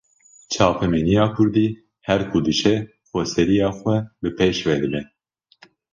Çapemeniya kurdî, her ku diçe xweseriya xwe bi pêş ve dibe